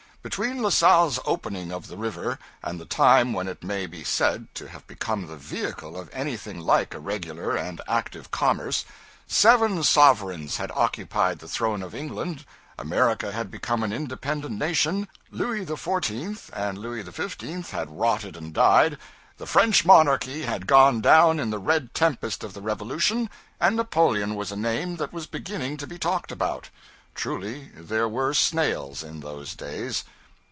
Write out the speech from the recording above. Between La Salle's opening of the river and the time when it may be said to have become the vehicle of anything like a regular and active commerce, seven sovereigns had occupied the throne of England, America had become an independent nation, Louis XIV. and Louis XV. had rotted and died, the French monarchy had gone down in the red tempest of the revolution, and Napoleon was a name that was beginning to be talked about. Truly, there were snails in those days.